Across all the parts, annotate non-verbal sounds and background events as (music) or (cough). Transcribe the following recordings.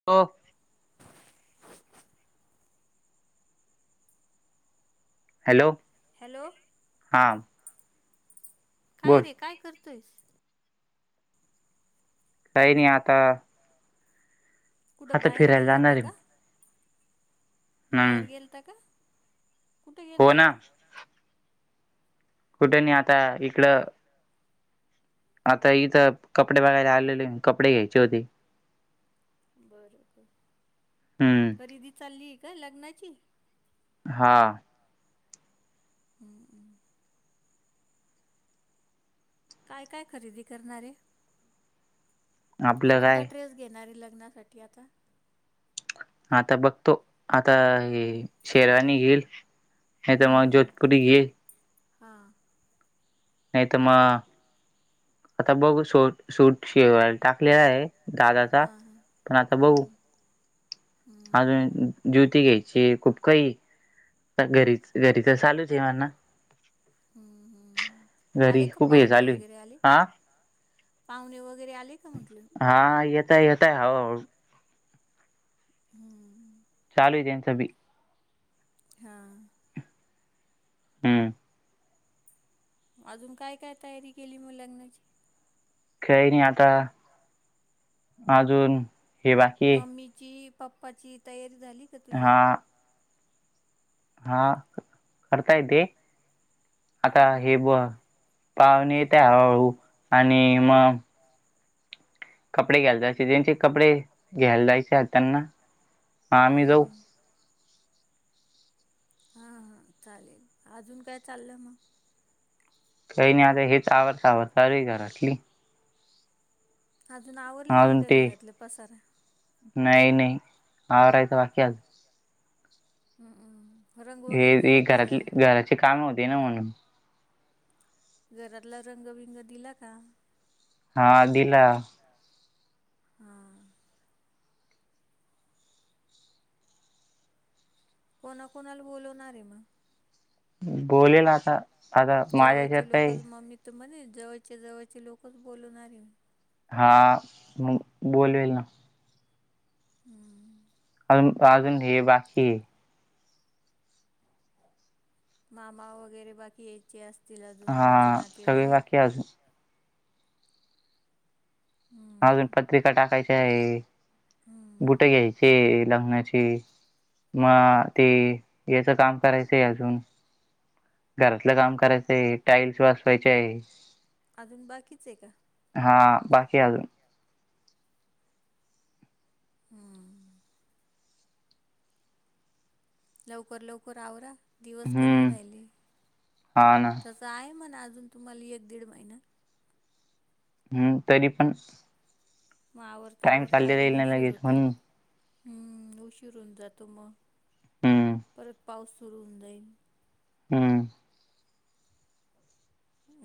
(unintelligible) Hello. Hello हा काय बोल रे काय करतोयस. काही नाही आता कुठं आता बाहेर फिरायला गेला जाणार होता आहे का. हम्म बाहेर गेलता का कुठे हो गेलता ना बेटा. कुठे नाही आता इकड आता इथं कपडे बघायला आलेले कपडे घ्यायचे होते. बर बर हम्म खरेदी चाललीय काय लग्नाची. हा. हम्म. काय काय खरेदी करणारे आपलं कोणता काय ड्रेस घेणारे लग्नासाठी ठी आता. आता बघतो आता शेरावानी घेईल ह तर मग जोधपुरी घी हा. नाही तर मग आता बघघ सट सूट शि टाकलेला आहे दादाचा हां हां पण आता बघु हम्म हम्म अजून जुती घ्यायची खूप काही घरी घरीच चालूच आहे म्हणा हम्म हम्मम् आले घरी का खूप हे पाहुणे चालू आहे. वगैरे आले हा पाहुणे वगैरे आले का म्हटले त येताय येत आहे हा हम्म चाू इथे सभी हा हम्म अजून काय काय तयारी केली मग लग्नाची खेळन आता ह अजून हे बाकी मम्मीची पप्पाची तयारी झाली का तुझी? हा हा करता येते आता हम्म. हे ब पाहुणे येते हळूहळू आणि मग हा कपडे घ्यायला जायचे ज्यांचे कपडे घ्यायला जायचे त्यांना ह आम्ही हम्म जाऊ हम्म हा हा चालेल अजून काय चाललं मग काही नाही आता हेच आवडता आवड चाल घरातली अजून आवरडले नाही अजून का ते घरातले पसारा नाही नाही आ राहायचं बाकी आज हम्म रंग हे वगैरे हे दिलाच घरातली घराला घराची काम होते ना म्हणून घरातला रंगबिंग दिला का हा दिला हा कोणा कोणाला बोलवणारे मग बोले नासा जवळचे लोकच मम्मी तू म्हणे जवळच्या जवळचे लोकच बोलणारी हा म बोलवेल ना हमम अज अजून हे बाकी हे मामा वगैरे बाकी यायचे असतील अजून तुमचे नातेवाई तेज हम्म. अजून पत्रा टाकायची हम्म. बुट घ्यायचे लग्नाचे मग ते याचं काम करायचंय अजून घरातलं काम करायचं आहे टाईल्स वाचवायचे आहे अजून बाकीच आहे का? हा बाकी आजून हम्म लवकर लवकर आवरा दिवस कमी हम्म राहिले हा ना त तर आहे म्हण अजून तुम्हाला एक दीड महिना हम्म तरी पण मग आवरता टाइम आवरता चालले अजून जाईल ना उशीर लगेच होतो म्हणून ह् उशीरन जातो मग हम्म परत पाऊस सुरू होऊन जाईल हम्म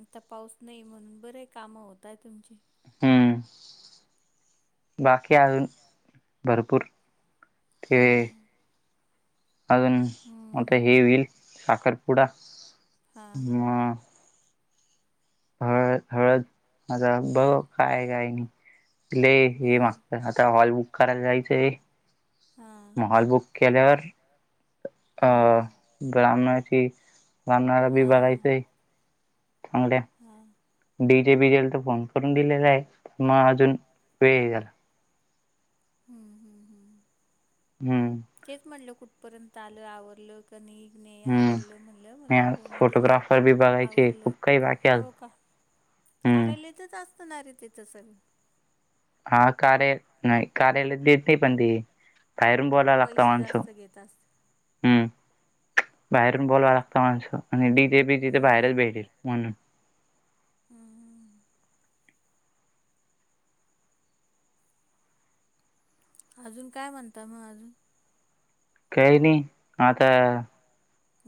आता पाऊस नाही म्हणून बरे कामं होतय तुमची हम्म बाकी आजून भरपूर हा ते अजून आता हे होईल साखरपुडा हा हळ हळद माझा बघ काय काय नाही. हे बरं. माग आता हॉल बुक करायला जायचंय हां. मग हॉल बुक केल्यावर अ हं. ग्रामणाची ब्राह्मणाला बी हां. बघायचय चांगल्या हां डीजे विजल चा फॉर्म करून दिलेला आहे मग आजून वेळ याला हम्म हम्म हम्म हम्म तेच म्हटलं कुठपर्यंत आलं आवरलं. कणिक ने आवरलं हम्म म्हणलं म्हणून आणि फोन केला फोटोग्राफर बी बघायचे आवरलं खूप काही बाकी अजून हो का? हम्म कार्यालयतच असतणारे तिथं संग हा कार्या नाही कार्यालयत देते पण ते खायरून बोलायला लागतं पैसे आणस जास्त घेत असतील हम्म बाहेरून बोलवा लागत माणसं आणि डी तेे बी तिथे हम्म बाहेरच भेटेल म्हणून हम्म अजून काय म्हणता मग अजून? काही नाही आता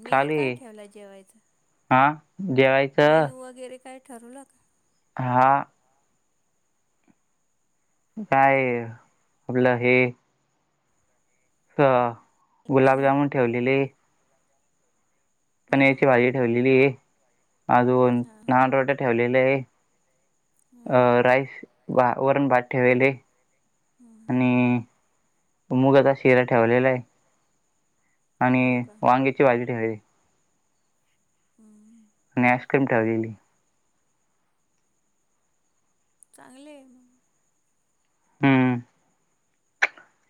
मेनू चालू ये. काय ठेवला जेवायचा हा जेवाय मेनू वगैरे काय ठरवलं? हा! काय? आपलं हे, ह पनीर गुलाबजामुन ठेवलेले. हम्म पनीरची भाजी ठेवलेली आहे. अजून हां लहान रोटे ठेवलेले आहे. अ हम्म राईस वरण बात ठेवेल आहे. हम्म आणि मुगाचा शिरा ठेवलेला आहे हो आणि का वांग्याची भाजी ठेवलेली. 'हम्म' आणि आईस्क्रीम ठेवलेली. चांगले आहे मग! 'हम्म'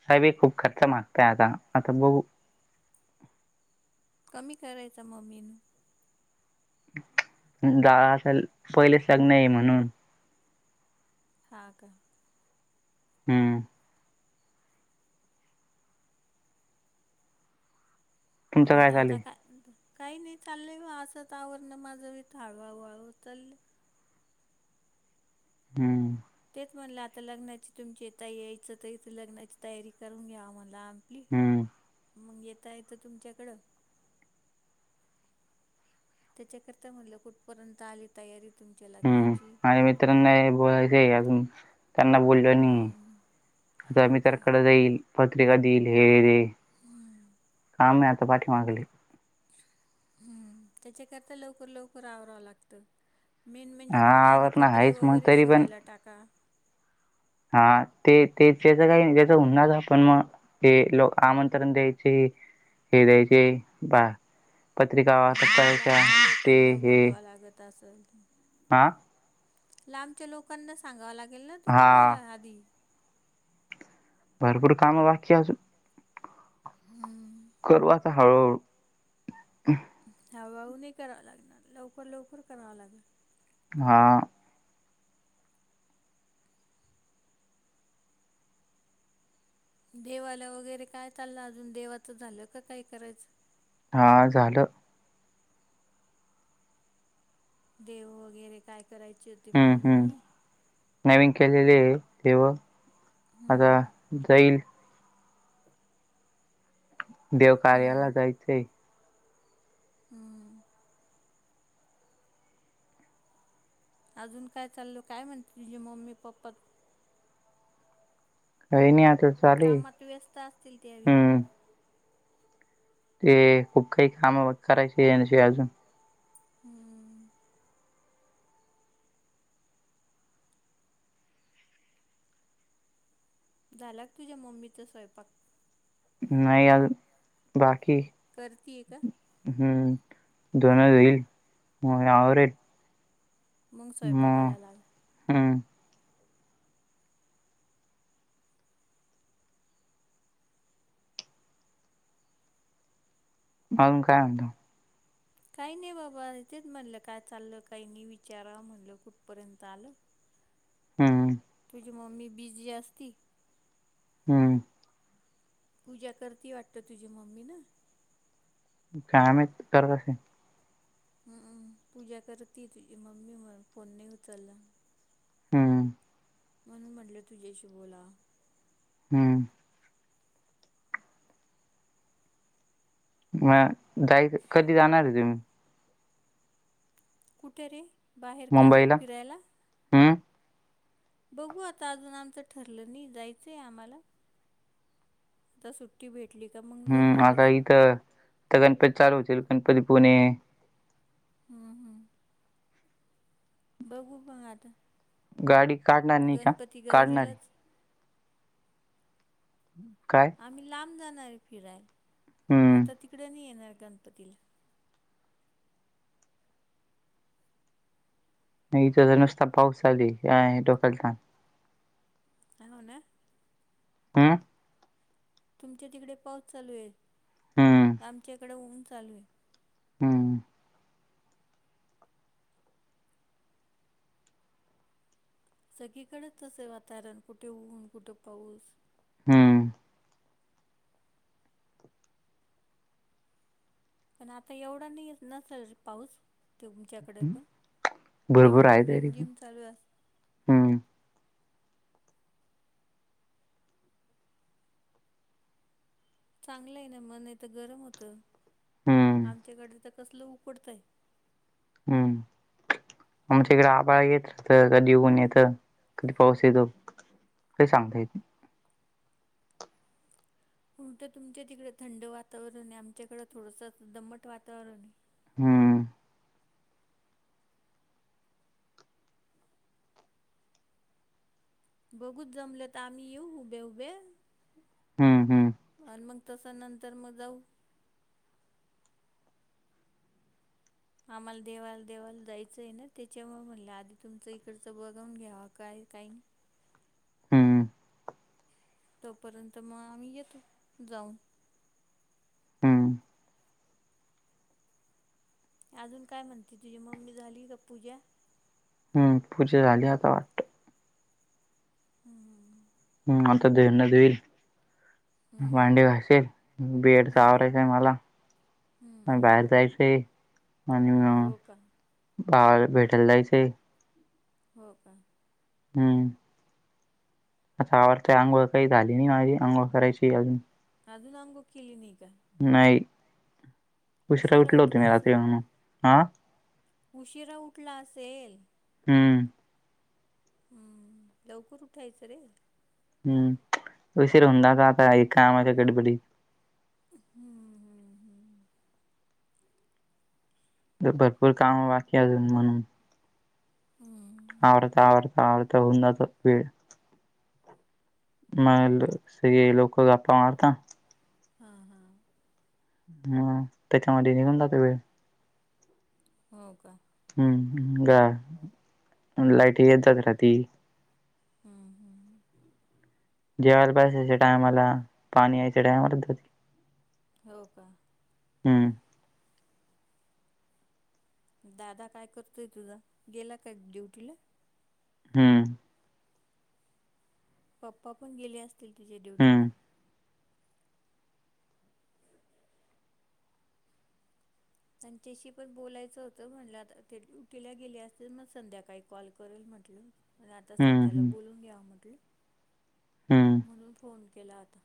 काबी खूप खर्च मागतय आता आता बघु कमी करायचा मम्मीन जा असेल पहिलेच लग्न नाही म्हणून हा का? हम्म्म तुमचं काय चालू दादा आहे? का काही नाही चाललेय गं असच आवरण माझं हळूहळू हळू चालेय. हम्म! तेच म्हटंल आता लग्नाची तुमची येताय यायचं त इथे लग्नाची तयारी करून घ्या म्हणलं आपली हम्म मग येता येतं तुमच्याकडं त्याच्याकरता म्हटलं कुठपर्यंत आली तयारी तुमच्या हम्म लग्नाची माझ्या मित्रांना बोलायचं अजून त्यांना बोलिलं नाहीये. हम्म. जर हो आम्ही का तरकडं जाईल. पत्रिका दिईल हे रे हम्म. काम नाही आता पाठीमागली. हम्म! त्याच्याकरता लवकर लवकर आवरावं लागतं. मेन म्हणजे हा तुम्ही आधी आवरण कपडे आहेच मग वगैरे तरी पण शिवायला टाका हा ते ते त्याच काही त्याच हून जातं पण मग हे लोकं आमंत्रण द्यायचे हे द्यायचे बा पत्रिका अं, छपायच्या ते हे चलते! हा लांबच्या लोकांना सांगाव लागेल ना हा तुम्हाला आधी भरपूर काम बाकी आहे अजून हम्म करू आता हळूहळू हळूहळू नाही करावा लागणार लवकर लवकर कराव लागेल. हा! देवाला वगैरे काय चाललं अजून देवाचं झालं का काय करायचं! हा! झालं देव वगैरे काय करायचे होते हम्म म्हणे हम्म मम्मी. नवीन केलेले आहे देव आता हम्म जाैन देव कार्याला हम्म जायचंय हम्म अजून काय चालल काय म्हण ते मम्मी पप्पा होन आ त कामात व्यस्त असतील तेवे ते खूप काही काम करायचे या अजून हम्म झाला तुझ्या मम्मीचा स्वयंपाक नाही याज बाकी करते आहे का हम्म ्वनजईल यारे मूंग सवंपाकाला लाग हम्म अजून काय म्हणतो काही नाही बाबा तेच म्हटलं काय चाललं काही नाही विचारा म्हणलं कुठपर्यंत आलं हम्म तुझी मम्मी बिझी असती हम्म पूजा करती वाटत तुझी मम्मी ना काम तर कसे हम्म पूजा करती तुझी मम्मी म फोन नाही उचलला हम्म म्हणून म्हटलं तुझ्याशी बोला हम्म मग जाय कधी जाणार आहे तुम्ही कुठे रे बाहेर का फिरायला हम बघू आता अजून आमचं ठरलं नाही जायचंय आम्हाला आता सुट्टी भेटली का मग जाऊ हम्म आता जरास इथं तर गणपती चालू होतील गणपती पुणे हम्म हम् बघू पण आता गाडी काढणार नाही का गणपती काढणारी गौरीलाच काय आम्ही लांब जाणार आहे फिरायला आता हम्म तिकडें नाही येणार गणपतीला थ नुसता पाऊस झाली डोकल अ म्ह ना ह तुमच्या तिकडे पाऊस चालू आहे हम्म आमच्या इकडे ऊन चालू आहे हम्म सगळीकडेच असे वातावरण कुठे ऊन कुठे पाऊस हम्म पण आता एवढा नाही नसेल पाऊस तुमच्याकडे पण रिम भरपूर आहे झिम रिम तरी पण. झिम लू अस. हम्म. चांगलं आहे ना मन आहे तर गरम होतं हम्म आमच्याकडे तर कसलं उकडतंय. हम्म. आमच्या इकडे आबाळ येत कधीऊन येतं कधी पाऊस येतो. का सांगतायेते. कोणतं तुमच्या तिकडं थंड वातावरण आहे आमच्याकडं थोडसं दमट वातावरण आहे. हम. बघूच जमलेत आम्ही येऊ उभे उभे. हम्म हम्म आणि मग तसा नंतर मग जाऊ. आम्हाला देवाल देवाल जायचं आहे ना त्याच्यामु म्हणलं आधी तुमचं इकडचं बघून घ्यावा काय काही नाही. हम्म तोपर्यंत मग आम्ही येतो जाऊन. हम्म अजून काय म्हणते तुझी मम्मी झाली का पूजा. हम्म पूजा झाली आता वाट. हम हम. हम् आता ते देईल. हम्म भांडी घासेल बेड हम्म आवरायचं आहे मला. हम्म बाहेर हम्म जायच आणि. हो का बाळ भेटायला जायचं. हो का. हम. आ आवडता अंघोळ काही झाली नाही माझी अंघोळ करायची अजून. अज नंगो क्लीन का. नाही उशरा उशिरा उठलं होत उठला मी रात्री असेल म्हणून हा. उशिरा उठला असेल. हम. हम्म लवकर उठायचं रे. हम् सर ह का तर काम गडीबडी. हम. भरपूर काम बाकी अजून म्हणून. हां. आवडता आवडता आवडता होन वेळ. मग सगळे लोक गपपा मारता. हा हा. हा त्याच्यामध्ये निघून जाते वेळ. हो का. हम्म ग लाईट येत जात रा ती. हा. जेवायला बसायच्या टायमाला पाणी यायच्या टायमला. हो का. हम. दादा काय करतोय तुझा गेला काय ड्युटीला. हम. पप्पा पण गेले असतील तिच्या ड्युटीला. हं, त्यांच्याशी पण बोलायचं होतं म्हटलं ते उठील्या गेले असतील मग संध्याकाळी कॉल करेल म्हटलं. आणि आता हं, सध्याला हं, बोलून घ्या म्हटलं हं. म्हणून फोन केला आता.